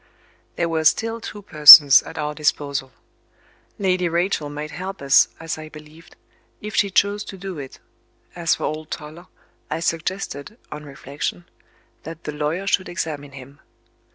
There were still two persons at our disposal. Lady Rachel might help us, as I believed, if she chose to do it. As for old Toller, I suggested (on reflection) that the lawyer should examine him.